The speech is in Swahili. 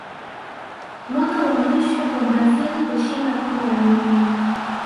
mwaka wa mwisho kwa brazil kushinda kombe la dunia